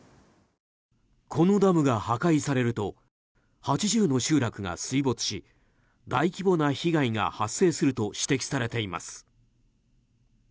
このダムが破壊されると８０の集落が水没し大規模な被害が発生すると指摘されています。